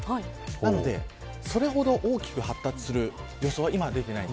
なので、それほど大きく発達する予想は今は出ていません。